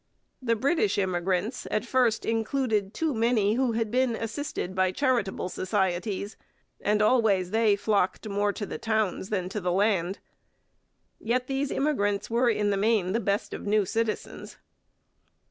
The British immigrants at first included too many who had been assisted by charitable societies, and always they flocked more to the towns than to the land. Yet these immigrants were in the main the best of new citizens.